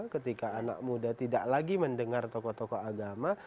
ketika anak muda tidak lagi mendengar tokoh tokoh agama